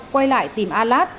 quay lại tìm a lát